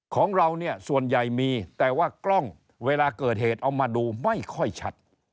ของเราเนี่ยส่วนใหญ่มีแต่ว่ากล้องเวลาเกิดเหตุเอามาดูไม่ค่อยชัด